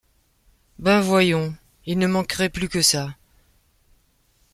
Ben voyons. .. Il ne manquerait plus que ça.